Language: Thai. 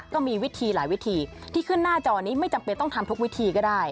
ก็มีวิธีหลายวิธีที่ขึ้นหน้าจอนี้ไม่จำเป็นต้องทำทุกวิธีก็ได้